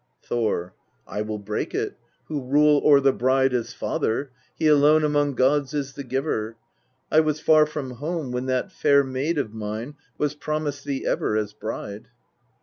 Thor. 4. I will break it, who rule o'er the bride as father ; he alone among gods is the giver : I was far from home when that fair maid of mine was promised thee ever as bride.